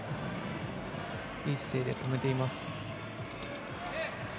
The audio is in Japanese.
いい姿勢で止めていました。